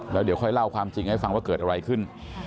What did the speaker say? แล้วเดี๋ยวค่อยเล่าความจริงให้ฟังว่าเกิดอะไรขึ้น